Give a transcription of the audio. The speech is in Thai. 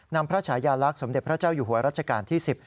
พระชายาลักษณ์สมเด็จพระเจ้าอยู่หัวรัชกาลที่๑๐